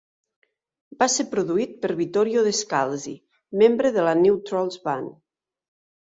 Va ser produït per Vittorio De Scalzi, membre de la New Trolls band.